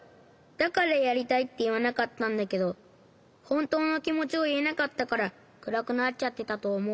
だからやりたいっていわなかったんだけどほんとうのきもちをいえなかったからくらくなっちゃってたとおもう。